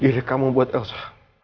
diri kamu buat elsa